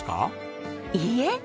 いいえ！